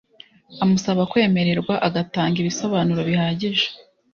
amusaba kwemererwa agatanga ibisobanuro bihagije